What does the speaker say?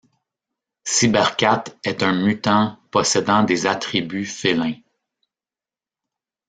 Sibercat est un mutant possédant des attributs félins.